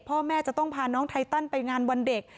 พ่อแม่จะต้องพาน้องไทตันไปงานวันเด็ก